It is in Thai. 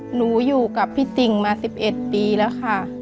หนูอยู่กับพี่ติ่งมา๑๑ปีแล้วค่ะ